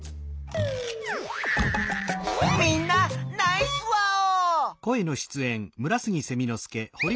みんなナイスワオ！